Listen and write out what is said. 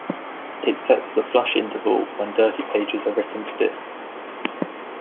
It sets the flush interval when dirty pages are written to disk.